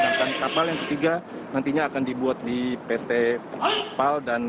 sedangkan kapal yang ketiga nantinya akan dibuat di pt pal